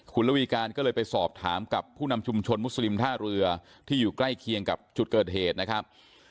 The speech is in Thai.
คุณระวีการก็เลยไปสอบถามกับผู้นำชุมชนมุสลิมท่าเรือที่อยู่ใกล้เคียงกับจุดเกิดเหตุนะครับ